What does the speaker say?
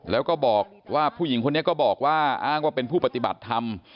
แล้วก็บอกว่าผู้หญิงคนนี้ก็บอกว่าอ้างว่าเป็นผู้ปฏิบัติธรรม